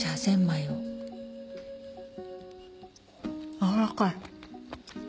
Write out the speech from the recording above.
やわらかい。